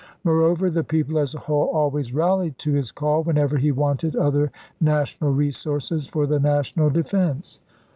Moreover, the people as a whole always rallied to his call whenever he wanted other national resources for the national defence.